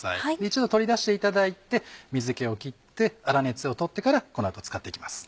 一度取り出していただいて水気を切って粗熱を取ってからこの後使って行きます。